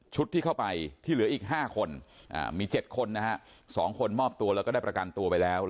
ที่เข้าไปที่เหลืออีก๕คนมี๗คนนะฮะ๒คนมอบตัวแล้วก็ได้ประกันตัวไปแล้ว